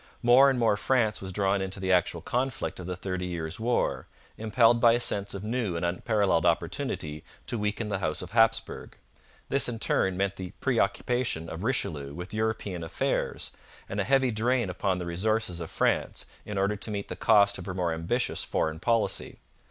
More and more France was drawn into the actual conflict of the Thirty Years' War, impelled by a sense of new and unparalleled opportunity to weaken the House of Hapsburg. This, in turn, meant the preoccupation of Richelieu with European affairs, and a heavy drain upon the resources of France in order to meet the cost of her more ambitious foreign policy.